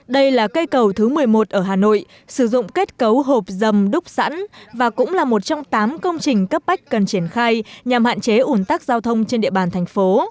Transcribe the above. đây là cây cầu thứ một mươi một ở hà nội sử dụng kết cấu hộp dầm đúc sẵn và cũng là một trong tám công trình cấp bách cần triển khai nhằm hạn chế ủn tắc giao thông trên địa bàn thành phố